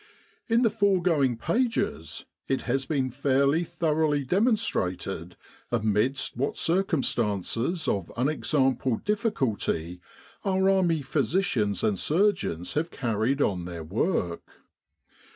In the fore going pages it has been fairly thoroughly demon strated amidst what circumstances of unexampled difficulty our army physicians and surgeons have carried on their work.